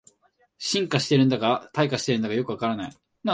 進化してるんだか退化してるんだかよくわからない